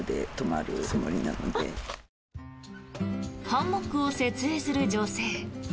ハンモックを設営する女性。